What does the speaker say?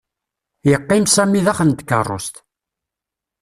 Yeqqim Sami daxel n tkarust.